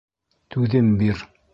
Түҙем бир.